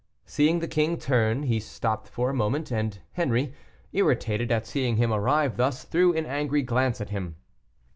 Seeing the king turn, he stopped for a moment, and Henri, irritated at seeing him arrive thus, threw an angry glance at him.